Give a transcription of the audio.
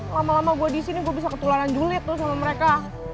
lama lama gue disini gue bisa ketularan julid tuh sama mereka